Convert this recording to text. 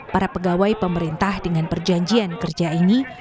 para pegawai pemerintah dengan perjanjian kerja ini